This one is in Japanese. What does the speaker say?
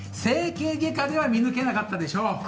整形外科では見抜けなかったでしょう。